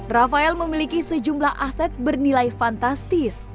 rafael memiliki sejumlah aset bernilai fantastis